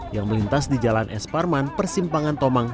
yang melintas di jalan es parman persimpangan tomang